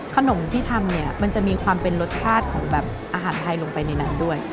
ขนมที่ทำเนี่ยมันจะมีความเป็นรสชาติของแบบอาหารไทยลงไปในนั้นด้วย